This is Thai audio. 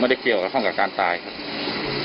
ไม่ได้เกี่ยวข้องกับการตายครับ